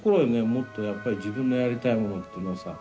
もっとやっぱり自分のやりたいものっていうのをさ